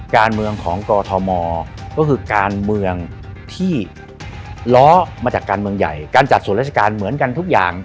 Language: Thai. การเมืองของกอทมก็คือการเมืองที่ล้อมาจากการเมืองใหญ่การจัดส่วนราชการเหมือนกันทุกอย่าง